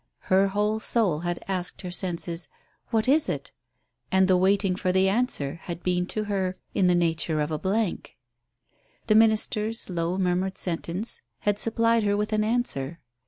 Her whole soul had asked her senses, "What is it?" and the waiting for the answer had been to her in the nature of a blank. The minister's low murmured sentence had supplied her with an answer.